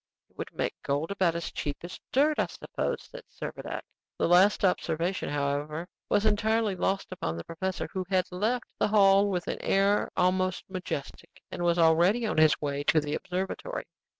"It would make gold about as cheap as dirt, I suppose," said Servadac. The last observation, however, was entirely lost upon the professor, who had left the hall with an air almost majestic, and was already on his way to the observatory.